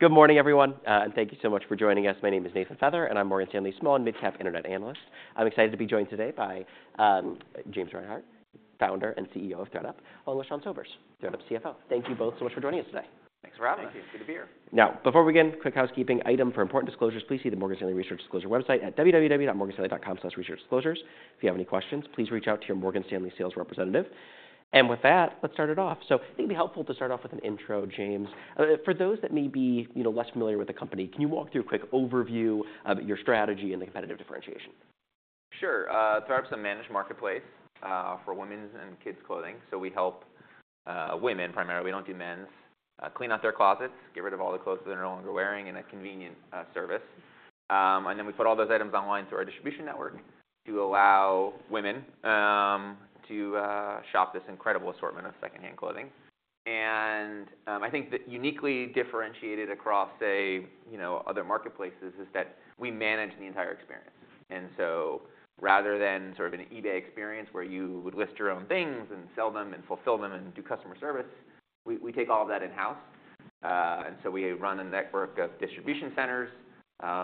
Good morning, everyone, and thank you so much for joining us. My name is Nathan Feather, and I'm Morgan Stanley's small and mid-cap internet analyst. I'm excited to be joined today by James Reinhart, founder and CEO of ThredUp, along with Sean Sobers, ThredUp's CFO. Thank you both so much for joining us today. Thanks for having me. Thank you. It's good to be here. Now, before we begin, quick housekeeping item for important disclosures. Please see the Morgan Stanley Research Disclosure website at www.morganstanley.com/researchdisclosures. If you have any questions, please reach out to your Morgan Stanley sales representative. And with that, let's start it off. So I think it'd be helpful to start off with an intro, James, for those that may be, you know, less familiar with the company. Can you walk through a quick overview of your strategy and the competitive differentiation? Sure. ThredUp's a managed marketplace for women's and kids' clothing. So we help women primarily. We don't do men's—clean out their closets, get rid of all the clothes that they're no longer wearing, in a convenient service, and then we put all those items online through our distribution network to allow women to shop this incredible assortment of secondhand clothing. And I think that uniquely differentiated across, say, you know, other marketplaces is that we manage the entire experience. And so rather than sort of an eBay experience where you would list your own things and sell them and fulfill them and do customer service, we take all of that in-house, and so we run a network of distribution centers.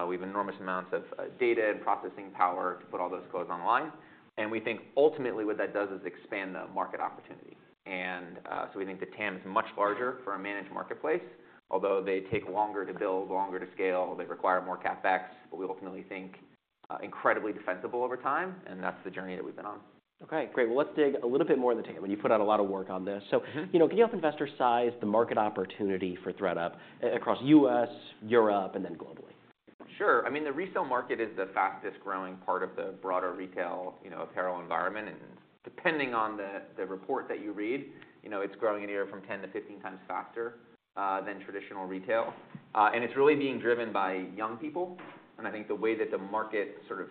We have enormous amounts of data and processing power to put all those clothes online. And we think ultimately what that does is expand the market opportunity. So we think the TAM is much larger for a managed marketplace, although they take longer to build, longer to scale, they require more Capex, but we ultimately think, incredibly defensible over time. That's the journey that we've been on. Okay. Great. Well, let's dig a little bit more in the TAM when you put out a lot of work on this. So, you know, can you help investors size the market opportunity for ThredUp across U.S., Europe, and then globally? Sure. I mean, the resale market is the fastest growing part of the broader retail, you know, apparel environment. And depending on the, the report that you read, you know, it's growing anywhere from 10-15 times faster than traditional retail. And it's really being driven by young people. And I think the way that the market sort of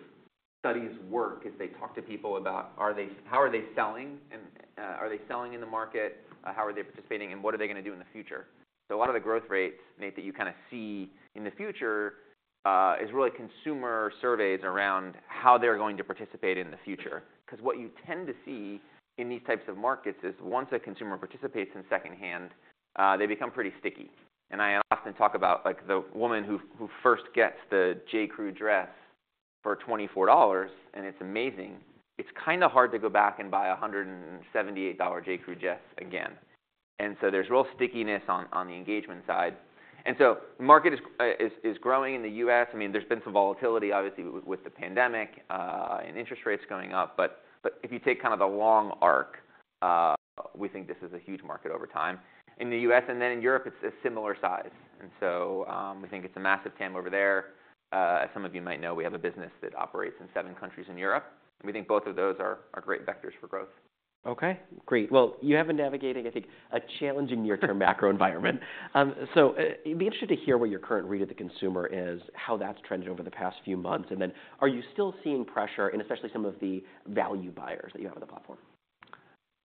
studies work is they talk to people about are they, how are they selling? And, are they selling in the market? How are they participating? And what are they gonna do in the future? So a lot of the growth rates, Nathan, that you kinda see in the future, is really consumer surveys around how they're going to participate in the future. 'Cause what you tend to see in these types of markets is once a consumer participates in secondhand, they become pretty sticky. And I often talk about, like, the woman who first gets the J.Crew dress for $24, and it's amazing, it's kinda hard to go back and buy a $178 J.Crew dress again. And so there's real stickiness on the engagement side. And so the market is growing in the U.S. I mean, there's been some volatility, obviously, with the pandemic, and interest rates going up. But if you take kinda the long arc, we think this is a huge market over time. In the U.S. and then in Europe, it's a similar size. And so, we think it's a massive TAM over there. As some of you might know, we have a business that operates in seven countries in Europe. And we think both of those are great vectors for growth. Okay. Great. Well, you have been navigating, I think, a challenging near-term macro environment. So, it'd be interesting to hear what your current read of the consumer is, how that's trended over the past few months. Then are you still seeing pressure, and especially some of the value buyers that you have on the platform?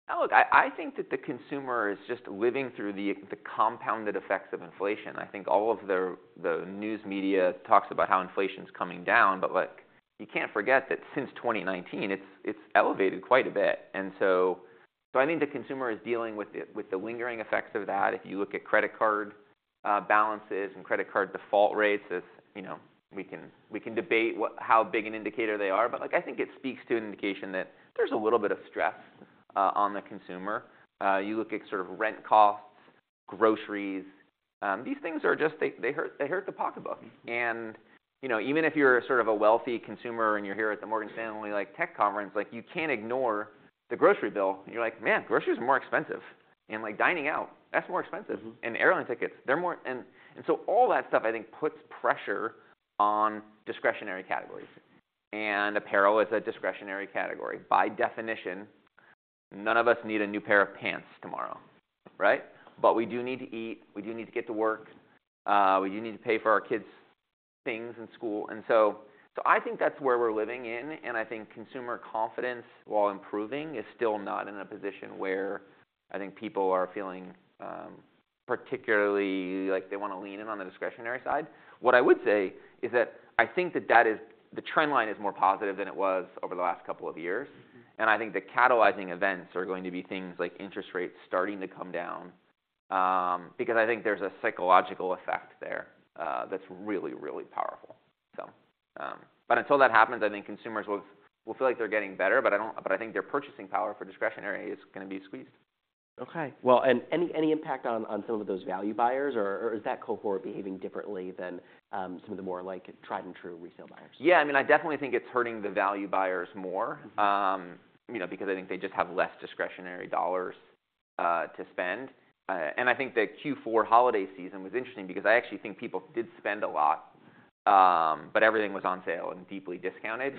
Yeah. Look, I think that the consumer is just living through the compounded effects of inflation. I think all of the news media talks about how inflation's coming down, but, like, you can't forget that since 2019, it's elevated quite a bit. So I think the consumer is dealing with the lingering effects of that. If you look at credit card balances and credit card default rates, as, you know, we can debate how big an indicator they are. But, like, I think it speaks to an indication that there's a little bit of stress on the consumer. You look at sort of rent costs, groceries, these things are just they hurt the pocketbook. You know, even if you're sort of a wealthy consumer and you're here at the Morgan Stanley, like, tech conference, like, you can't ignore the grocery bill. You're like, "Man, groceries are more expensive." Like, dining out, that's more expensive. Airline tickets, they're more and, and so all that stuff, I think, puts pressure on discretionary categories. Apparel is a discretionary category. By definition, none of us need a new pair of pants tomorrow, right? But we do need to eat. We do need to get to work. We do need to pay for our kids' things in school. So, so I think that's where we're living in. I think consumer confidence, while improving, is still not in a position where I think people are feeling, particularly, like, they wanna lean in on the discretionary side. What I would say is that I think that that is the trend line is more positive than it was over the last couple of years. And I think the catalyzing events are going to be things like interest rates starting to come down, because I think there's a psychological effect there that's really, really powerful. So, but until that happens, I think consumers will feel like they're getting better. But I don't think their purchasing power for discretionary is gonna be squeezed. Okay. Well, and any impact on some of those value buyers? Or is that cohort behaving differently than some of the more, like, tried-and-true resale buyers? Yeah. I mean, I definitely think it's hurting the value buyers more, you know, because I think they just have less discretionary dollars to spend. And I think the Q4 holiday season was interesting because I actually think people did spend a lot, but everything was on sale and deeply discounted.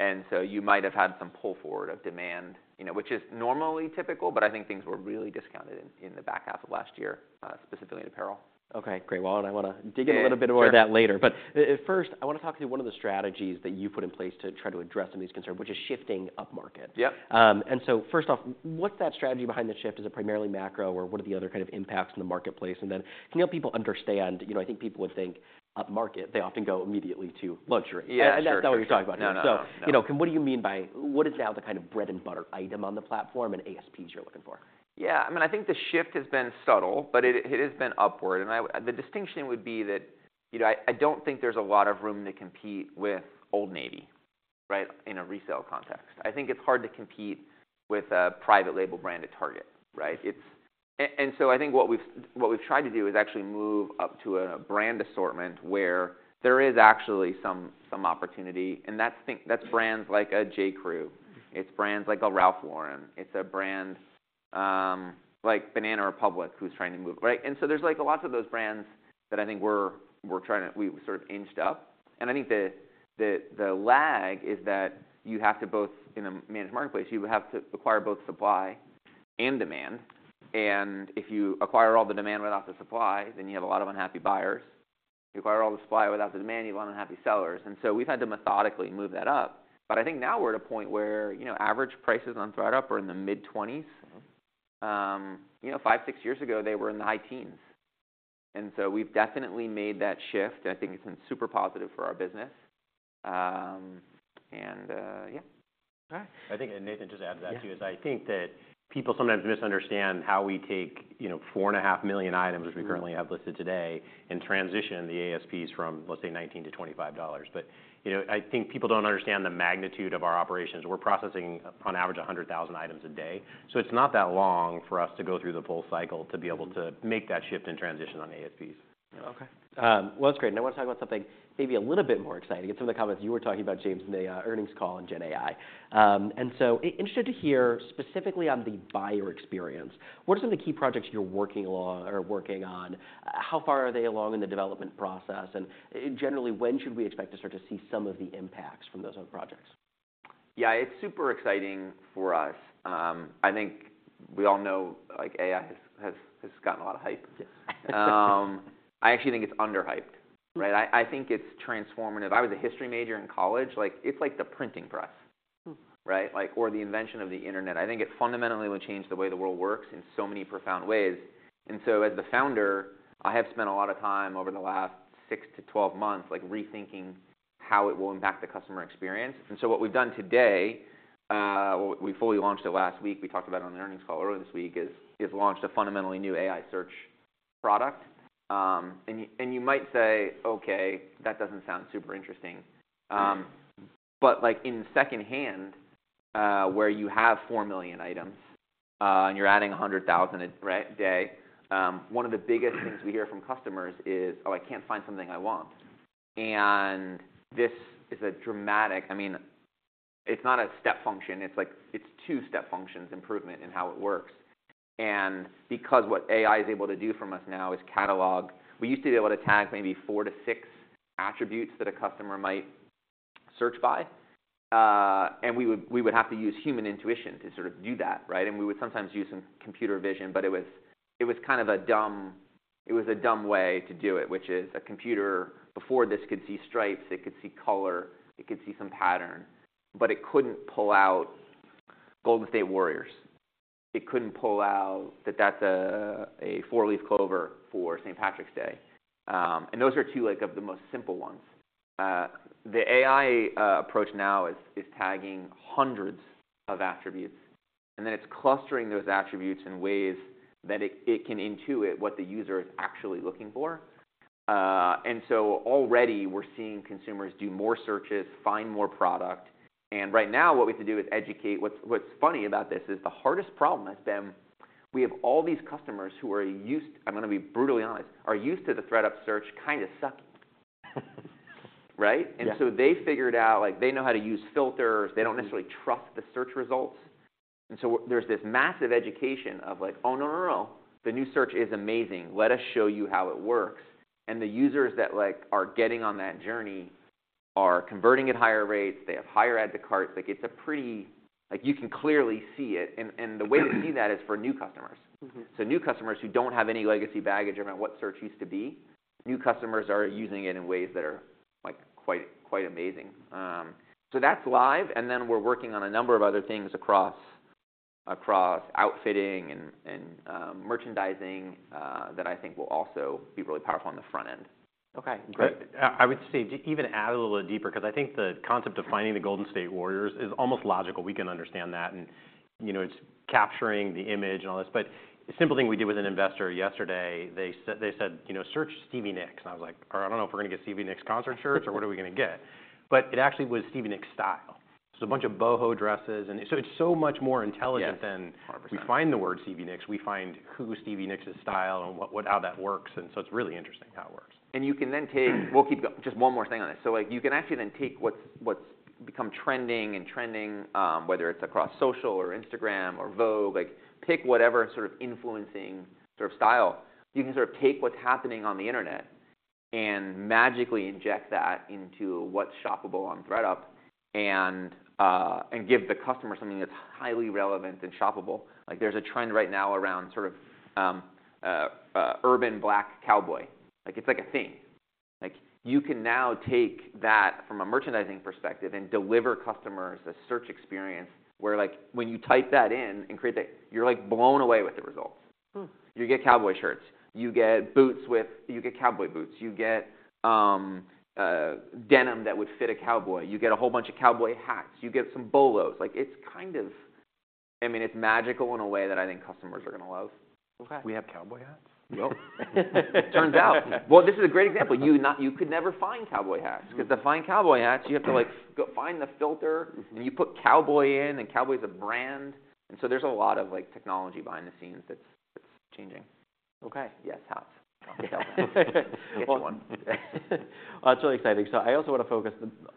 And so you might have had some pull forward of demand, you know, which is normally typical, but I think things were really discounted in the back half of last year, specifically in apparel. Okay. Great. Well, I wanna dig in a little bit more of that later. First, I wanna talk to you about one of the strategies that you put in place to try to address some of these concerns, which is shifting up market. Yep. And so first off, what's that strategy behind the shift? Is it primarily macro, or what are the other kind of impacts in the marketplace? And then can you help people understand, you know, I think people would think up market, they often go immediately to luxury. Yeah. I sure know. That's not what you're talking about here. So, you know, what do you mean by what is now the kind of bread-and-butter item on the platform and ASPs you're looking for? Yeah. I mean, I think the shift has been subtle, but it, it has been upward. And the distinction would be that, you know, I don't think there's a lot of room to compete with Old Navy, right, in a resale context. I think it's hard to compete with a private-label brand at Target, right? It's and so I think what we've tried to do is actually move up to a brand assortment where there is actually some, some opportunity. And that's brands like J.Crew. It's brands like Ralph Lauren. It's a brand, like Banana Republic who's trying to move, right? And so there's, like, a lot of those brands that I think we're trying to sort of inched up. I think the lag is that you have to both in a managed marketplace, you have to acquire both supply and demand. And if you acquire all the demand without the supply, then you have a lot of unhappy buyers. If you acquire all the supply without the demand, you have a lot of unhappy sellers. And so we've had to methodically move that up. But I think now we're at a point where, you know, average prices on ThredUp are in the mid-20s. You know, five, six years ago, they were in the high teens. And so we've definitely made that shift. And I think it's been super positive for our business. And, yeah. Okay. I think, Nathan, just to add to that too, is I think that people sometimes misunderstand how we take, you know, 4.5 million items, which we currently have listed today, and transition the ASPs from, let's say, $19-$25. But, you know, I think people don't understand the magnitude of our operations. We're processing, on average, 100,000 items a day. So it's not that long for us to go through the full cycle to be able to make that shift and transition on ASPs. Okay, well, that's great. I wanna talk about something maybe a little bit more exciting. In some of the comments, you were talking about, James, in the earnings call on GenAI, and so I'm interested to hear specifically on the buyer experience. What are some of the key projects you're working along or working on? How far are they along in the development process? And, generally, when should we expect to start to see some of the impacts from those other projects? Yeah. It's super exciting for us. I think we all know, like, AI has gotten a lot of hype. I actually think it's underhyped, right? I think it's transformative. I was a history major in college. Like, it's like the printing press, right? Like, or the invention of the internet. I think it fundamentally would change the way the world works in so many profound ways. And so as the founder, I have spent a lot of time over the last six-12 months, like, rethinking how it will impact the customer experience. And so what we've done today, we fully launched it last week. We talked about it on the earnings call earlier this week, is launched a fundamentally new AI search product. And you might say, "Okay. That doesn't sound super interesting," but, like, in secondhand, where you have 4 million items, and you're adding 100,000 a day, one of the biggest things we hear from customers is, "Oh, I can't find something I want." And this is a dramatic. I mean, it's not a step function. It's like it's two step functions improvement in how it works. And because what AI is able to do for us now is catalog. We used to be able to tag maybe four to six attributes that a customer might search by, and we would have to use human intuition to sort of do that, right? And we would sometimes use some computer vision. But it was kind of a dumb way to do it, which is a computer before this could see stripes. It could see color. It could see some pattern. But it couldn't pull out Golden State Warriors. It couldn't pull out that that's a four-leaf clover for St. Patrick's Day. And those are two, like, of the most simple ones. The AI approach now is tagging hundreds of attributes. And then it's clustering those attributes in ways that it can intuit what the user is actually looking for. And so already, we're seeing consumers do more searches, find more product. And right now, what we have to do is educate. What's funny about this is the hardest problem has been we have all these customers who are used, I'm gonna be brutally honest, are used to the ThredUp search kinda sucking, right? And so they figured out, like, they know how to use filters. They don't necessarily trust the search results. And so, there's this massive education of, like, "Oh, no, no, no. The new search is amazing. Let us show you how it works." And the users that, like, are getting on that journey are converting at higher rates. They have higher add-to-carts. Like, it's a pretty like, you can clearly see it. And the way to see that is for new customers. So new customers who don't have any legacy baggage around what search used to be, new customers are using it in ways that are, like, quite, quite amazing. So that's live. And then we're working on a number of other things across outfitting and merchandising, that I think will also be really powerful on the front end. Okay. Great. I would say even add a little deeper 'cause I think the concept of finding the Golden State Warriors is almost logical. We can understand that. And, you know, it's capturing the image and all this. But a simple thing we did with an investor yesterday, they said, you know, "Search Stevie Nicks." And I was like, "All right. I don't know if we're gonna get Stevie Nicks concert shirts or what are we gonna get?" But it actually was Stevie Nicks style. So a bunch of boho dresses. And so it's so much more intelligent than. Yes. 100%. We find the word Stevie Nicks. We find who Stevie Nicks is, style and what, what, how that works. And so it's really interesting how it works. And you can then take what's become trending, whether it's across social or Instagram or Vogue, like, pick whatever sort of influencing sort of style. You can sort of take what's happening on the internet and magically inject that into what's shoppable on ThredUp and give the customer something that's highly relevant and shoppable. Like, there's a trend right now around sort of urban black cowboy. Like, it's like a thing. Like, you can now take that from a merchandising perspective and deliver customers a search experience where, like, when you type that in and create that, you're like blown away with the results. You get cowboy shirts. You get boots. You get cowboy boots. You get denim that would fit a cowboy. You get a whole bunch of cowboy hats. You get some bolos. Like, it's kind of I mean, it's magical in a way that I think customers are gonna love. Okay. We have cowboy hats? Nope. Turns out. Well, this is a great example. You know you could never find cowboy hats 'cause to find cowboy hats, you have to, like, go find the filter. And you put cowboy in. And cowboy's a brand. And so there's a lot of, like, technology behind the scenes that's changing. Okay. Yes. Hats. I'll tell them. Get you one. Well, that's really exciting. So I also wanna focus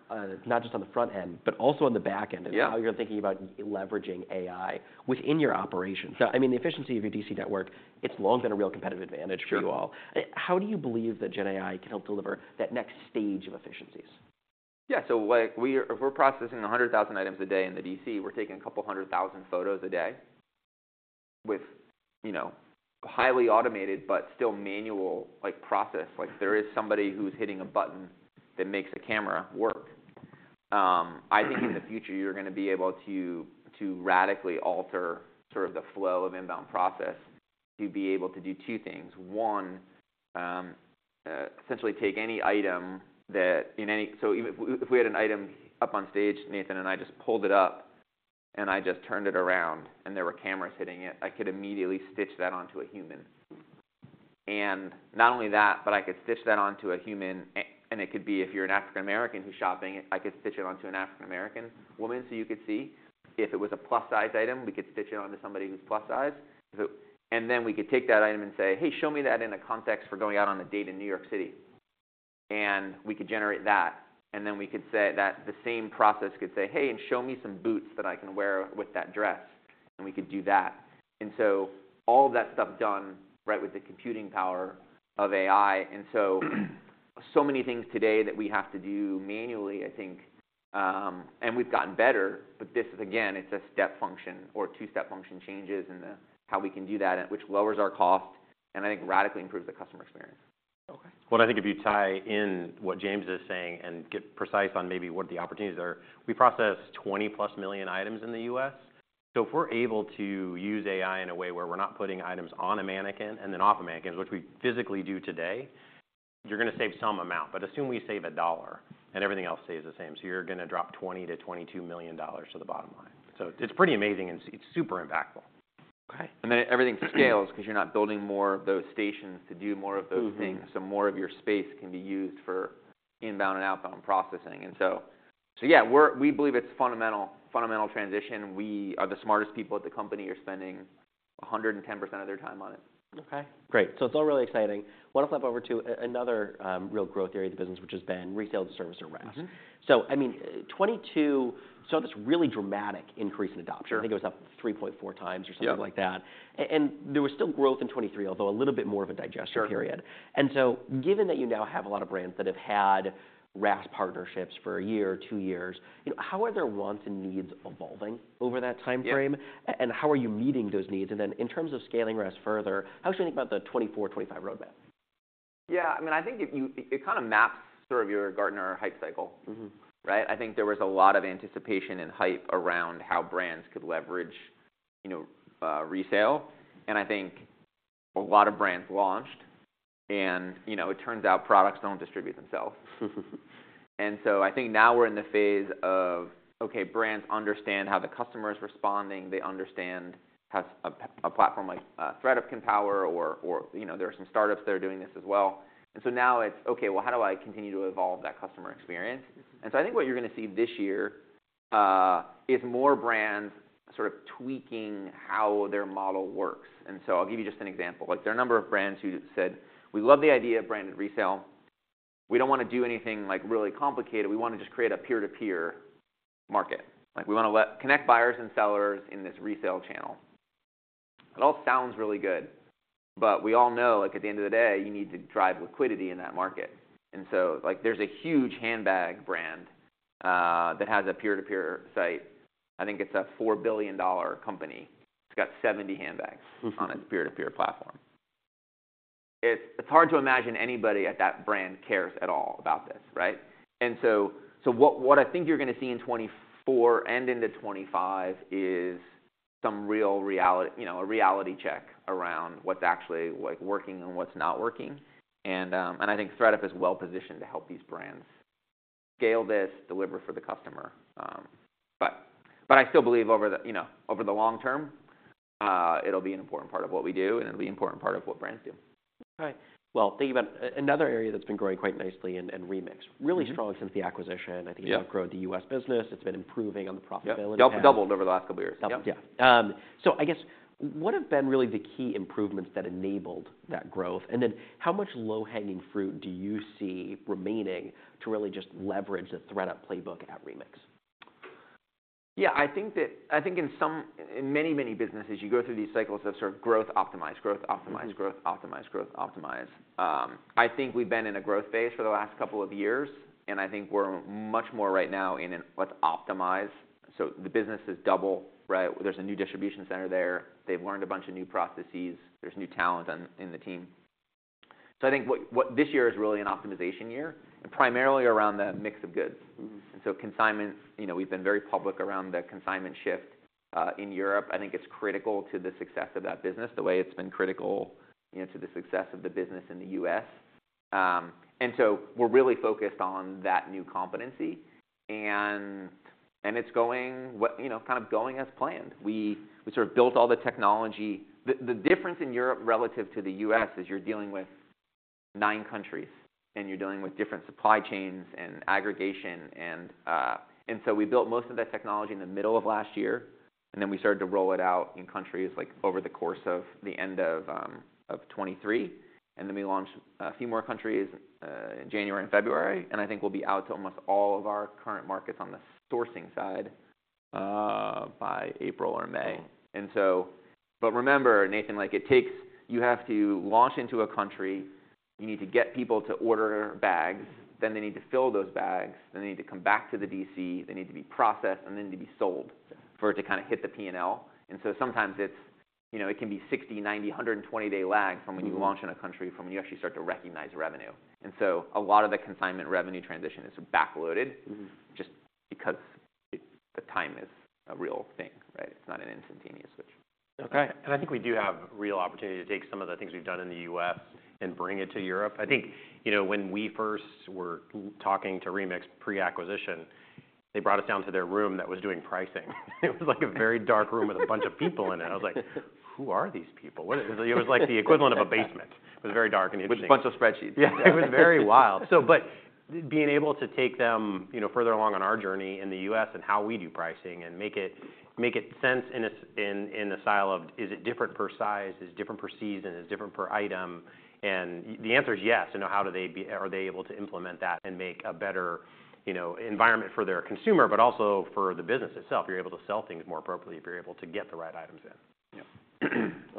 on not just on the front end but also on the back end and how you're thinking about leveraging AI within your operations. So, I mean, the efficiency of your DC network, it's long been a real competitive advantage for you all. Sure. How do you believe that GenAI can help deliver that next stage of efficiencies? Yeah. So, like, we are, if we're processing 100,000 items a day in the DC, we're taking 200,000 photos a day with, you know, highly automated but still manual, like, process. Like, there is somebody who's hitting a button that makes a camera work. I think in the future, you're gonna be able to to radically alter sort of the flow of inbound process to be able to do two things. One, essentially take any item that in any so even if w if we had an item up on stage, Nathan and I just pulled it up, and I just turned it around, and there were cameras hitting it, I could immediately stitch that onto a human. And not only that, but I could stitch that onto a human and it could be if you're an African American who's shopping, I could stitch it onto an African American woman so you could see. If it was a plus-size item, we could stitch it onto somebody who's plus-size. If it and then we could take that item and say, "Hey, show me that in a context for going out on a date in New York City." And we could generate that. And then we could say that the same process could say, "Hey, and show me some boots that I can wear with that dress." And we could do that. And so all of that stuff done right with the computing power of AI. And so so many things today that we have to do manually, I think, and we've gotten better. This is again, it's a step function or two-step function changes in the how we can do that, which lowers our cost and I think radically improves the customer experience. Okay. Well, I think if you tie in what James is saying and get precise on maybe what the opportunities are, we process 20+ million items in the U.S. So if we're able to use AI in a way where we're not putting items on a mannequin and then off a mannequin, which we physically do today, you're gonna save some amount. But assume we save $1, and everything else stays the same. So you're gonna drop $20 million-$22 million to the bottom line. So it's pretty amazing. And it's super impactful. Okay. And then everything scales 'cause you're not building more of those stations to do more of those things. So more of your space can be used for inbound and outbound processing. And so, so yeah, we believe it's fundamental, fundamental transition. We are the smartest people at the company. We're spending 110% of their time on it. Okay. Great. So it's all really exciting. Wanna flip over to another, real growth area of the business, which has been Resale-as-a-Service or RaaS. So, I mean, 2022 saw this really dramatic increase in adoption. I think it was up 3.4 times or something like that. Yeah. And there was still growth in 2023, although a little bit more of a digestion period. Sure. And so given that you now have a lot of brands that have had RaaS partnerships for a year, two years, you know, how are their wants and needs evolving over that time frame? Yeah. And how are you meeting those needs? And then in terms of scaling RaaS further, how should we think about the 2024, 2025 roadmap? Yeah. I mean, I think if you it kinda maps sort of your Gartner hype cycle, right? I think there was a lot of anticipation and hype around how brands could leverage, you know, resale. And I think a lot of brands launched. And, you know, it turns out products don't distribute themselves. And so I think now we're in the phase of, okay, brands understand how the customer is responding. They understand how a RaaS platform like ThredUp can power or, or, you know, there are some startups that are doing this as well. And so now it's, okay, well, how do I continue to evolve that customer experience? And so I think what you're gonna see this year is more brands sort of tweaking how their model works. And so I'll give you just an example. Like, there are a number of brands who said, "We love the idea of branded resale. We don't wanna do anything, like, really complicated. We wanna just create a peer-to-peer market. Like, we wanna let connect buyers and sellers in this resale channel." It all sounds really good. But we all know, like, at the end of the day, you need to drive liquidity in that market. And so, like, there's a huge handbag brand, that has a peer-to-peer site. I think it's a $4 billion company. It's got 70 handbags on its peer-to-peer platform. It's, it's hard to imagine anybody at that brand cares at all about this, right? And so, so what, what I think you're gonna see in 2024 and into 2025 is some real reality you know, a reality check around what's actually, like, working and what's not working. I think ThredUp is well-positioned to help these brands scale this, deliver for the customer. But I still believe over the you know, over the long term, it'll be an important part of what we do. It'll be an important part of what brands do. Okay. Well, thinking about another area that's been growing quite nicely and Remix, really strong since the acquisition. I think it's outgrown the U.S. business. It's been improving on the profitability. Yeah. Doubled over the last couple of years. Doubled. Yeah. I guess what have been really the key improvements that enabled that growth? And then how much low-hanging fruit do you see remaining to really just leverage the ThredUp playbook at Remix? Yeah. I think that I think in some in many, many businesses, you go through these cycles of sort of growth optimize, growth optimize, growth optimize, growth optimize. I think we've been in a growth phase for the last couple of years. I think we're much more right now in an let's optimize. The business has doubled, right? There's a new distribution center there. They've learned a bunch of new processes. There's new talent on in the team. So I think what, what this year is really an optimization year and primarily around the mix of goods. Consignment you know, we've been very public around the consignment shift, in Europe. I think it's critical to the success of that business, the way it's been critical, you know, to the success of the business in the U.S. We're really focused on that new competency. And, and it's going what, you know, kind of going as planned. We sort of built all the technology. The difference in Europe relative to the U.S. is you're dealing with nine countries. And you're dealing with different supply chains and aggregation. And so we built most of that technology in the middle of last year. And then we started to roll it out in countries, like, over the course of the end of 2023. And then we launched a few more countries in January and February. And I think we'll be out to almost all of our current markets on the sourcing side, by April or May. And so but remember, Nathan, like, it takes you have to launch into a country. You need to get people to order bags. Then they need to fill those bags. Then they need to come back to the DC. They need to be processed. And then they need to be sold for it to kinda hit the P&L. And so sometimes it's, you know, it can be 60, 90, 120-day lag from when you launch in a country from when you actually start to recognize revenue. And so a lot of the consignment revenue transition is backloaded just because it's the time is a real thing, right? It's not an instantaneous switch. Okay. I think we do have real opportunity to take some of the things we've done in the U.S. and bring it to Europe. I think, you know, when we first were talking to Remix pre-acquisition, they brought us down to their room that was doing pricing. It was like a very dark room with a bunch of people in it. I was like, "Who are these people? What is it?" It was like the equivalent of a basement. It was very dark and interesting. With a bunch of spreadsheets. Yeah. It was very wild. So, but being able to take them, you know, further along on our journey in the U.S. and how we do pricing and make it make it sense in a sense in, in a style of, is it different per size? Is it different per season? Is it different per item? And, yeah, the answer is yes. You know, how do they, are they able to implement that and make a better, you know, environment for their consumer but also for the business itself? You're able to sell things more appropriately if you're able to get the right items in. Yeah.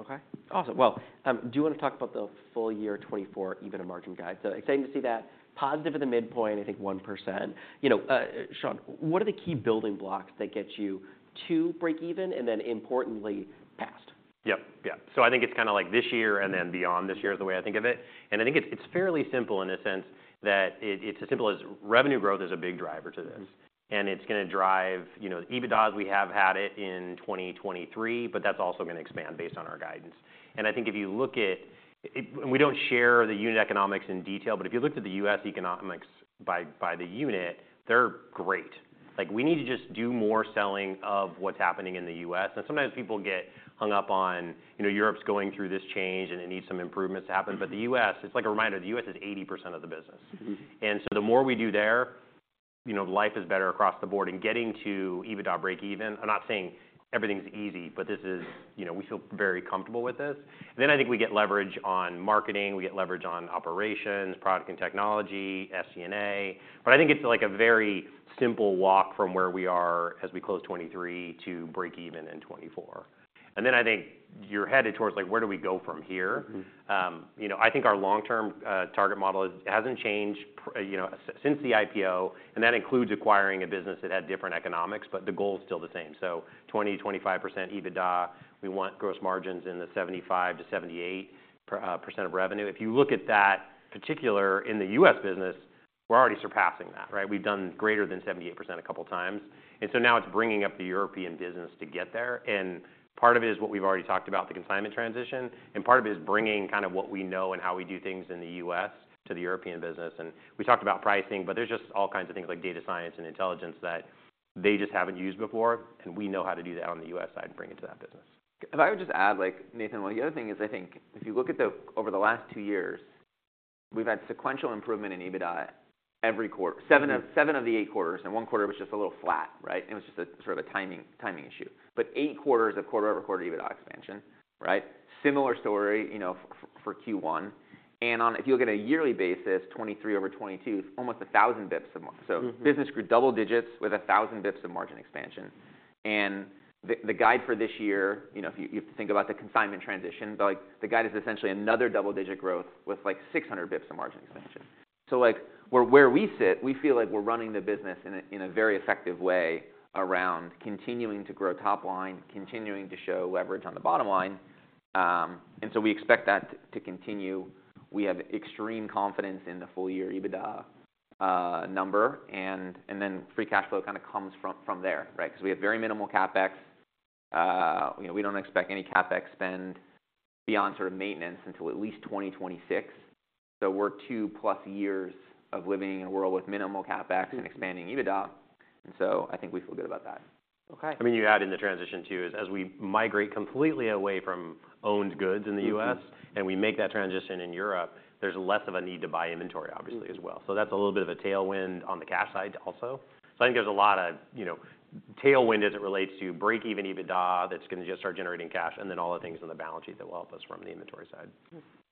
Okay. Awesome. Well, do you wanna talk about the full year 2024 EBITDA margin guide? So exciting to see that. Positive at the midpoint, I think 1%. You know, Sean, what are the key building blocks that get you to break even and then, importantly, past? Yep. Yeah. So I think it's kinda like this year and then beyond this year is the way I think of it. And I think it's fairly simple in a sense that it's as simple as revenue growth is a big driver to this. And it's gonna drive, you know, EBITDAs. We have had it in 2023. But that's also gonna expand based on our guidance. And I think if you look at it, we don't share the unit economics in detail. But if you looked at the U.S. economics by the unit, they're great. Like, we need to just do more selling of what's happening in the U.S. And sometimes people get hung up on, you know, Europe's going through this change, and it needs some improvements to happen. But the U.S. it's like a reminder. The U.S. is 80% of the business. So the more we do there, you know, life is better across the board. And getting to EBITDA break even I'm not saying everything's easy. But this is you know, we feel very comfortable with this. Then I think we get leverage on marketing. We get leverage on operations, product, and technology, SG&A. But I think it's, like, a very simple walk from where we are as we close 2023 to break even in 2024. And then I think you're headed towards, like, where do we go from here? you know, I think our long-term, target model is it hasn't changed prior you know, since the IPO. And that includes acquiring a business that had different economics. But the goal's still the same. So 20%-25% EBITDA. We want gross margins in the 75%-78% of revenue. If you look at that particular in the U.S. business, we're already surpassing that, right? We've done greater than 78% a couple times. So now it's bringing up the European business to get there. Part of it is what we've already talked about, the consignment transition. Part of it is bringing kinda what we know and how we do things in the U.S. to the European business. We talked about pricing. But there's just all kinds of things like data science and intelligence that they just haven't used before. We know how to do that on the U.S. side and bring it to that business. If I would just add, like, Nathan, well, the other thing is I think if you look at over the last 2 years, we've had sequential improvement in EBITDA every quarter seven of seven of the eight quarters. And 1 quarter was just a little flat, right? It was just a sort of a timing issue. But 8 quarters of quarter-over-quarter EBITDA expansion, right? Similar story, you know, for Q1. And if you look at a yearly basis, 2023 over 2022, almost 1,000 bips of margin so business grew double digits with 1,000 bips of margin expansion. And the guide for this year, you know, if you have to think about the consignment transition, but, like, the guide is essentially another double-digit growth with, like, 600 bips of margin expansion. So, like, where we sit, we feel like we're running the business in a very effective way around continuing to grow top line, continuing to show leverage on the bottom line. So we expect that to continue. We have extreme confidence in the full-year EBITDA number. And then free cash flow kinda comes from there, right? 'Cause we have very minimal Capex. You know, we don't expect any Capex spend beyond sort of maintenance until at least 2026. So we're two+ years of living in a world with minimal Capex and expanding EBITDA. And so I think we feel good about that. Okay. I mean, you add in the transition too is as we migrate completely away from owned goods in the U.S. and we make that transition in Europe, there's less of a need to buy inventory, obviously, as well. So that's a little bit of a tailwind on the cash side also. So I think there's a lot of, you know, tailwind as it relates to break-even EBITDA that's gonna just start generating cash and then all the things in the balance sheet that will help us from the inventory side.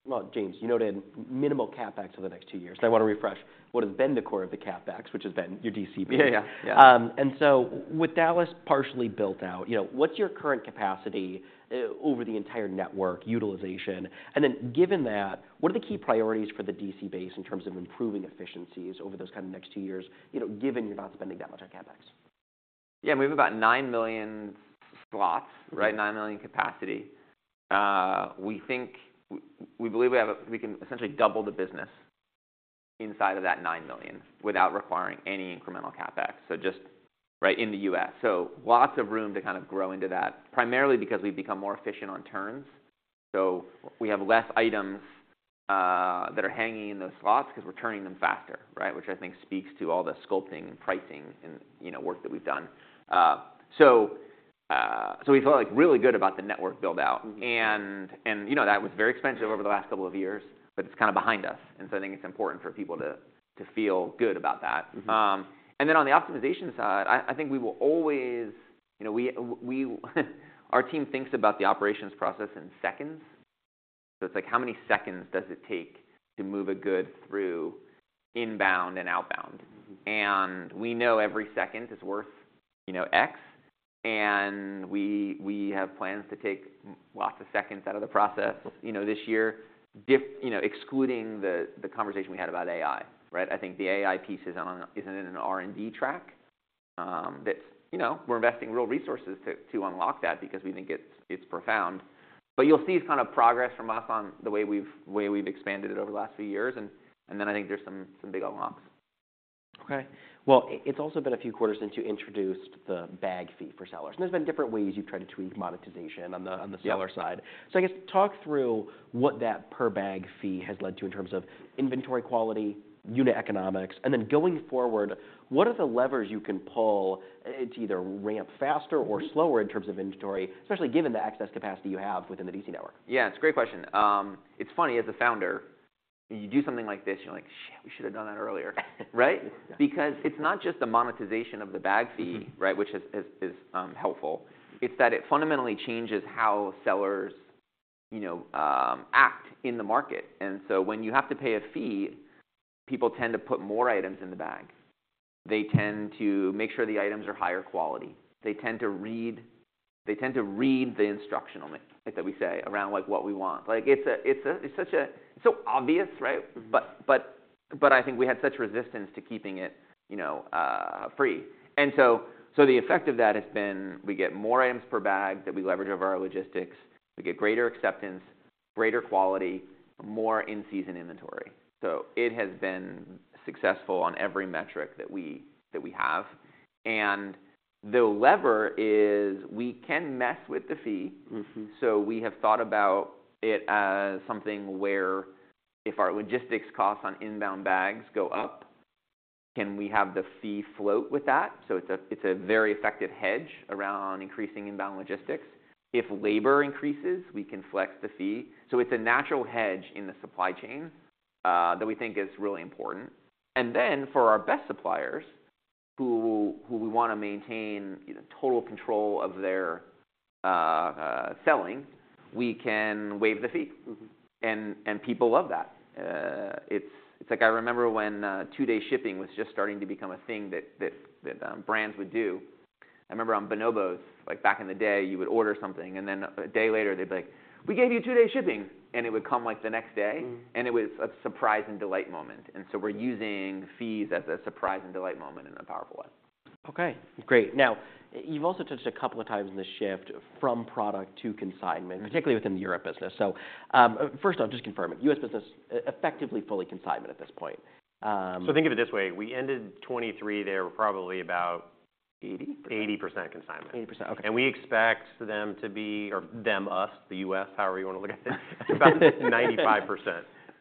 Well, James, you noted minimal Capex over the next two years. I wanna refresh. What has been the core of the Capex, which has been your DC base? Yeah. Yeah. Yeah. With Dallas partially built out, you know, what's your current capacity over the entire network utilization? And then given that, what are the key priorities for the DC base in terms of improving efficiencies over those kinda next two years, you know, given you're not spending that much on CapEx? Yeah. I mean, we have about 9 million slots, right? 9 million capacity. We think we believe we can essentially double the business inside of that 9 million without requiring any incremental CapEx. So just right in the U.S. So lots of room to kinda grow into that primarily because we've become more efficient on turns. So we have less items, that are hanging in those slots 'cause we're turning them faster, right? Which I think speaks to all the sculpting and pricing and, you know, work that we've done. So we feel, like, really good about the network buildout. And you know, that was very expensive over the last couple of years. But it's kinda behind us. And so I think it's important for people to feel good about that. and then on the optimization side, I think we will always, you know, we our team thinks about the operations process in seconds. So it's like, how many seconds does it take to move a good through inbound and outbound? And we know every second is worth, you know, X. And we have plans to take a lot of seconds out of the process, you know, this year, different, you know, excluding the conversation we had about AI, right? I think the AI piece is on, isn't in an R&D track. That's, you know, we're investing real resources to unlock that because we think it's profound. But you'll see this kind of progress from us on the way we've expanded it over the last few years. And then I think there's some big unlocks. Okay. Well, it's also been a few quarters since you introduced the bag fee for sellers. And there's been different ways you've tried to tweak monetization on the seller side. So I guess talk through what that per-bag fee has led to in terms of inventory quality, unit economics. And then going forward, what are the levers you can pull, to either ramp faster or slower in terms of inventory, especially given the excess capacity you have within the DC network? Yeah. It's a great question. It's funny. As a founder, you do something like this, you're like, "Shit. We should have done that earlier," right? Because it's not just the monetization of the bag fee, right, which has been helpful. It's that it fundamentally changes how sellers, you know, act in the market. And so when you have to pay a fee, people tend to put more items in the bag. They tend to make sure the items are higher quality. They tend to read the instructions like that we say around, like, what we want. Like, it's such a it's so obvious, right? But I think we had such resistance to keeping it, you know, free. And so the effect of that has been we get more items per bag that we leverage over our logistics. We get greater acceptance, greater quality, more in-season inventory. So it has been successful on every metric that we have. And the lever is we can mess with the fee. So we have thought about it as something where if our logistics costs on inbound bags go up, can we have the fee float with that? So it's a very effective hedge around increasing inbound logistics. If labor increases, we can flex the fee. So it's a natural hedge in the supply chain that we think is really important. And then for our best suppliers who we wanna maintain, you know, total control of their selling, we can waive the fee. And people love that. It's like I remember when two-day shipping was just starting to become a thing that brands would do. I remember on Bonobos, like, back in the day, you would order something. And then a day later, they'd be like, "We gave you two-day shipping." And it would come, like, the next day. And it was a surprise and delight moment. And so we're using fees as a surprise and delight moment in a powerful way. Okay. Great. Now, you've also touched a couple of times on this shift from product to consignment, particularly within the Europe business. So, first off, just confirming. U.S. business, effectively fully consignment at this point. So think of it this way. We ended 2023 there. We're probably about 80% consignment. 80%. Okay. We expect them to be or them, us, the U.S., however you wanna look at it, about 95%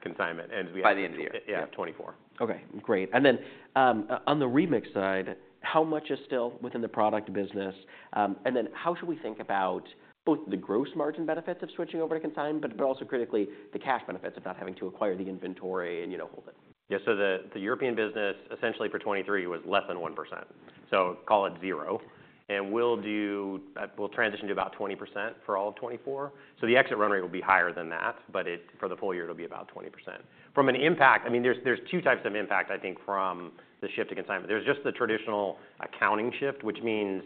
consignment. We have. By the end of the year. Yeah. 24. Okay. Great. And then, on the Remix side, how much is still within the product business? And then how should we think about both the gross margin benefits of switching over to consign, but also critically, the cash benefits of not having to acquire the inventory and, you know, hold it? Yeah. So the European business essentially for 2023 was less than 1%. So call it 0. And we'll transition to about 20% for all of 2024. So the exit run rate will be higher than that. But for the full year, it'll be about 20%. From an impact, I mean, there's two types of impact, I think, from the shift to consignment. There's just the traditional accounting shift, which means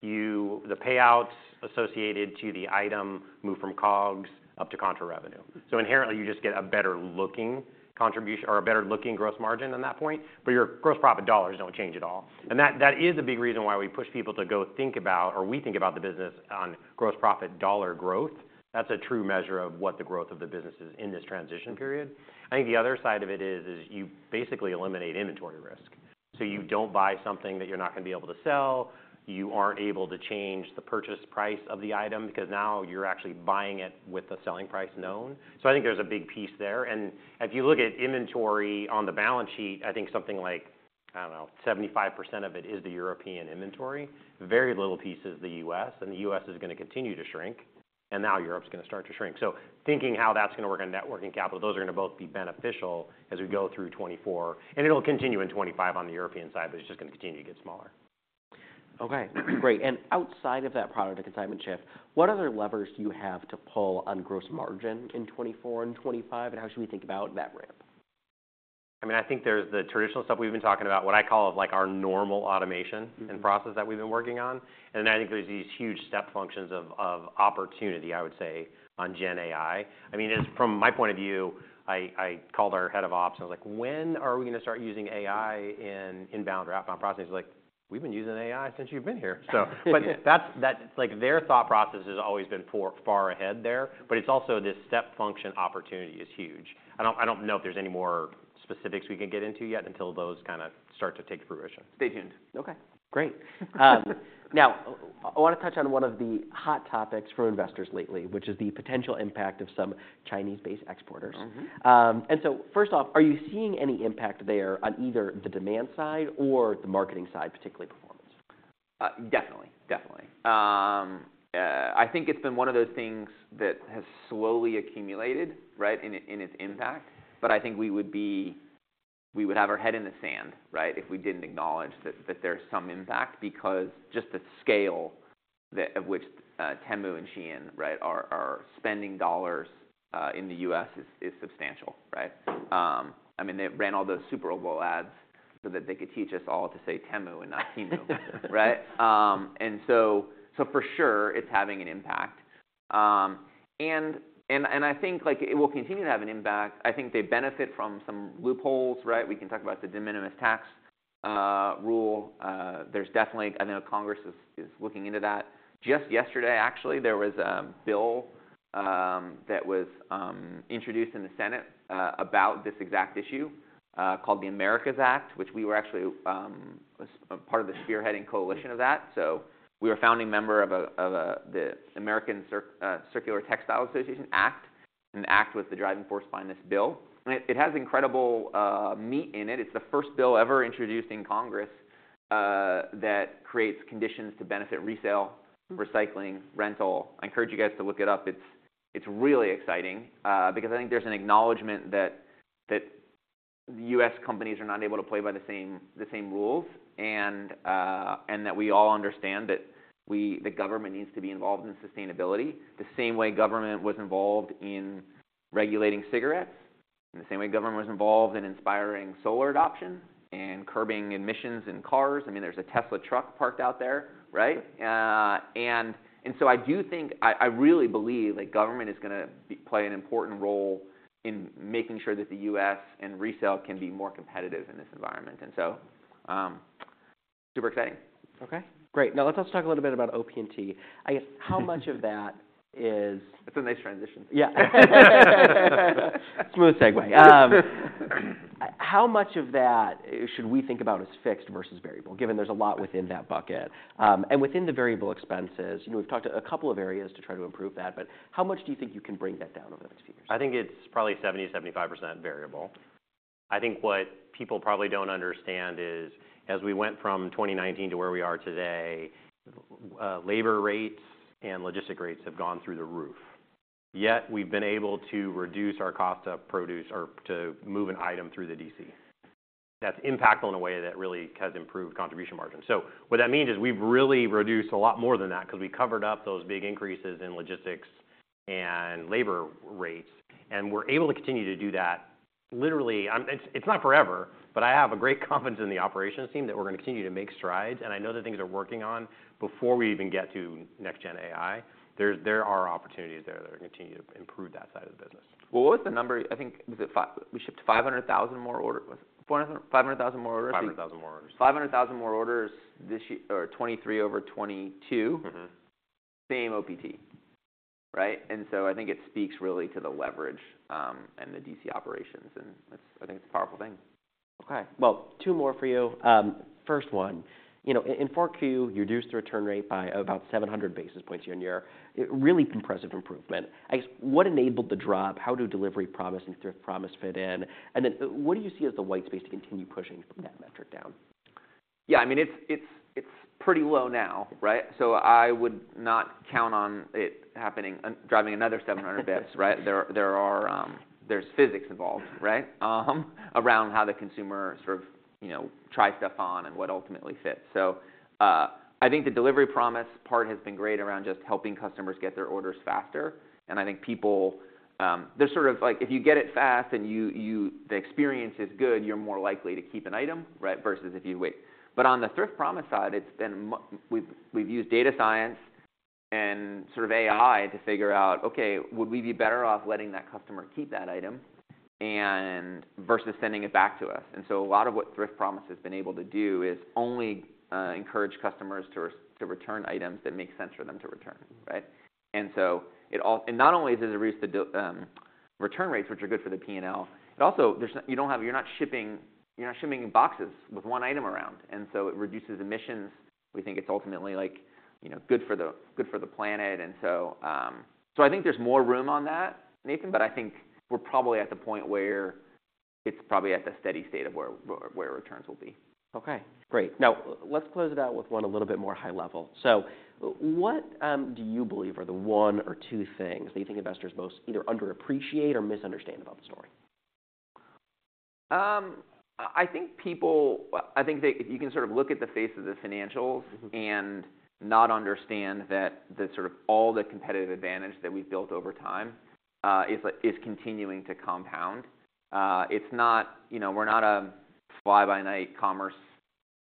the payouts associated to the item move from COGS up to contra-revenue. So inherently, you just get a better-looking contribution or a better-looking gross margin on that point. But your gross profit dollars don't change at all. And that is a big reason why we push people to go think about or we think about the business on gross profit dollar growth. That's a true measure of what the growth of the business is in this transition period. I think the other side of it is, is you basically eliminate inventory risk. So you don't buy something that you're not gonna be able to sell. You aren't able to change the purchase price of the item because now you're actually buying it with the selling price known. So I think there's a big piece there. And if you look at inventory on the balance sheet, I think something like I don't know. 75% of it is the European inventory. Very little piece is the U.S.. And the U.S. is gonna continue to shrink. And now Europe's gonna start to shrink. So thinking how that's gonna work on net working capital, those are gonna both be beneficial as we go through 2024. And it'll continue in 2025 on the European side. But it's just gonna continue to get smaller. Okay. Great. And outside of that product to consignment shift, what other levers do you have to pull on gross margin in 2024 and 2025? And how should we think about that ramp? I mean, I think there's the traditional stuff we've been talking about, what I call, like, our normal automation and process that we've been working on. And then I think there's these huge step functions of opportunity, I would say, on GenAI. I mean, it's from my point of view, I called our head of ops. And I was like, "When are we gonna start using AI in inbound or outbound processing?" He's like, "We've been using AI since you've been here." So but that's, it's like their thought process has always been far ahead there. But it's also this step function opportunity is huge. I don't know if there's any more specifics we can get into yet until those kinda start to take fruition. Stay tuned. Okay. Great. Now, I wanna touch on one of the hot topics for investors lately, which is the potential impact of some Chinese-based exporters. And so first off, are you seeing any impact there on either the demand side or the marketing side, particularly performance? Definitely. Definitely. I think it's been one of those things that has slowly accumulated, right, in its impact. But I think we would have our head in the sand, right, if we didn't acknowledge that there's some impact because just the scale of which Temu and Shein, right, are spending dollars in the U.S. is substantial, right? I mean, they ran all those Super Bowl ads so that they could teach us all to say Temu and not Temu, right? And so for sure, it's having an impact. And I think, like, it will continue to have an impact. I think they benefit from some loopholes, right? We can talk about the de minimis tax rule. There's definitely—I think Congress is looking into that. Just yesterday, actually, there was a bill, that was, introduced in the Senate, about this exact issue, called the Americas Act, which we were actually, as a part of the spearheading coalition of that. So we were founding member of the American Circular Textiles ACT. And the ACT was the driving force behind this bill. And it, it has incredible, meat in it. It's the first bill ever introduced in Congress, that creates conditions to benefit resale, recycling, rental. I encourage you guys to look it up. It's, it's really exciting, because I think there's an acknowledgment that, that the U.S. companies are not able to play by the same the same rules. And that we all understand that the government needs to be involved in sustainability the same way government was involved in regulating cigarettes and the same way government was involved in inspiring solar adoption and curbing emissions in cars. I mean, there's a Tesla truck parked out there, right? And so I do think I really believe, like, government is gonna play an important role in making sure that the U.S. and resale can be more competitive in this environment. And so, super exciting. Okay. Great. Now, let's also talk a little bit about OP&T. I guess how much of that is. That's a nice transition. Yeah. Smooth segue. How much of that should we think about as fixed versus variable given there's a lot within that bucket? And within the variable expenses, you know, we've talked to a couple of areas to try to improve that. But how much do you think you can bring that down over the next few years? I think it's probably 70%-75% variable. I think what people probably don't understand is as we went from 2019 to where we are today, labor rates and logistic rates have gone through the roof. Yet, we've been able to reduce our cost to produce or to move an item through the DC. That's impactful in a way that really has improved contribution margins. So what that means is we've really reduced a lot more than that 'cause we covered up those big increases in logistics and labor rates. And we're able to continue to do that literally. It's not forever. But I have great confidence in the operations team that we're gonna continue to make strides. And I know that things are working on before we even get to next-gen AI. There are opportunities there that are gonna continue to improve that side of the business. Well, what was the number? I think, was it we shipped 500,000 more orders? Was it 400,000-500,000 more orders? 500,000 more orders. 500,000 more orders this year or 2023 over 2022. Mm-hmm. Same OP&T, right? So I think it speaks really to the leverage, and the DC operations. I think it's a powerful thing. Okay. Well, two more for you. First one. You know, in 4Q, you reduced the return rate by about 700 basis points year-over-year. Really impressive improvement. I guess what enabled the drop? How do delivery promise and Thrift Promise fit in? And then, what do you see as the white space to continue pushing from that metric down? Yeah. I mean, it's pretty low now, right? So I would not count on it happening driving another 700 bips, right? There are, there's physics involved, right, around how the consumer sort of, you know, try stuff on and what ultimately fits. So, I think the delivery promise part has been great around just helping customers get their orders faster. And I think people, there's sort of like if you get it fast and the experience is good, you're more likely to keep an item, right, versus if you wait. But on the Thrift Promise side, it's been, we've used data science and sort of AI to figure out, "Okay. Would we be better off letting that customer keep that item versus sending it back to us? And so a lot of what Thrift Promise has been able to do is only encourage customers to return items that make sense for them to return, right? And so not only is it reduce return rates, which are good for the P&L, it also there's no you don't have you're not shipping boxes with one item around. And so it reduces emissions. We think it's ultimately, like, you know, good for the planet. And so I think there's more room on that, Nathan. But I think we're probably at the point where it's probably at the steady state of where returns will be. Okay. Great. Now, let's close it out with one a little bit more high-level. So what do you believe are the one or two things that you think investors most either underappreciate or misunderstand about the story? I think if you can sort of look at the face of the financials and not understand that the sort of all the competitive advantage that we've built over time is, like, continuing to compound. It's not, you know, we're not a fly-by-night commerce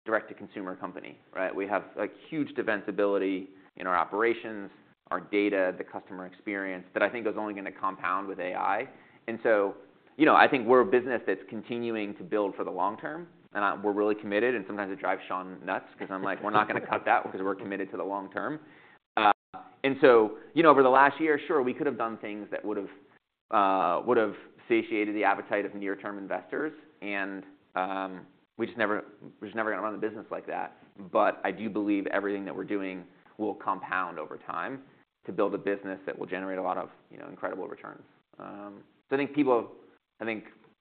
direct-to-consumer company, right? We have, like, huge defensibility in our operations, our data, the customer experience that I think is only gonna compound with AI. And so, you know, I think we're a business that's continuing to build for the long term. And we're really committed. And sometimes it drives Sean nuts 'cause I'm like, "We're not gonna cut that 'cause we're committed to the long term." And so, you know, over the last year, sure, we could have done things that would have satiated the appetite of near-term investors. We just never, we're just never gonna run the business like that. But I do believe everything that we're doing will compound over time to build a business that will generate a lot of, you know, incredible returns. So I think people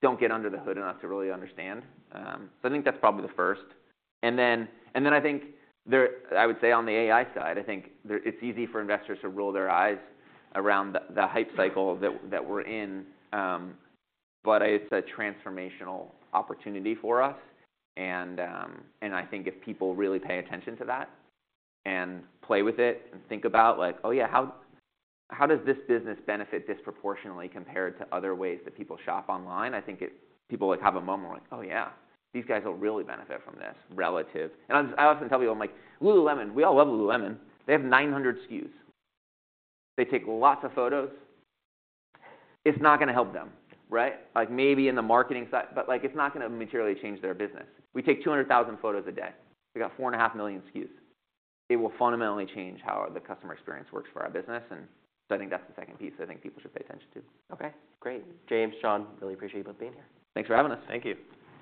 don't get under the hood enough to really understand. So I think that's probably the first. And then I think there, I would say on the AI side, I think there, it's easy for investors to roll their eyes around the hype cycle that we're in. But it's a transformational opportunity for us. And I think if people really pay attention to that and play with it and think about, like, "Oh, yeah. How does this business benefit disproportionately compared to other ways that people shop online?" I think people, like, have a moment. We're like, "Oh, yeah. These guys will really benefit from this." Relative. And I'm, I often tell people, I'm like, "Lululemon. We all love Lululemon. They have 900 SKUs. They take lots of photos. It's not gonna help them," right? Like, maybe in the marketing side but, like, it's not gonna materially change their business. We take 200,000 photos a day. We got 4.5 million SKUs. It will fundamentally change how the customer experience works for our business. And so I think that's the second piece I think people should pay attention to. Okay. Great. James, Sean, really appreciate you both being here. Thanks for having us. Thank you.